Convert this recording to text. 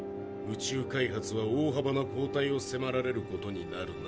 宇宙開発は大幅な後退をせまられることになるな。